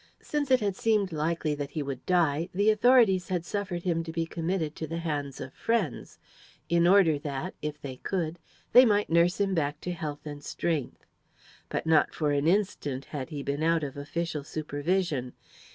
Since it had seemed likely that he would die, the authorities had suffered him to be committed to the hands of friends, in order that, if they could, they might nurse him back to health and strength. But not for an instant had he been out of official supervision.